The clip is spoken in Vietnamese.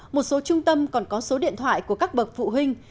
một số trung tâm còn có số điện thoại của các bậc phụ huynh